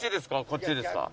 こっちですか？